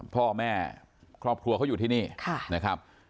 พ่อแม่ครอบครัวเขาอยู่ที่นี่นะครับ